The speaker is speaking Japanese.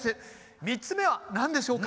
３つ目は何でしょうか？